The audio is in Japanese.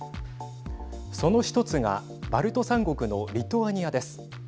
その１つがバルト３国のリトアニアです。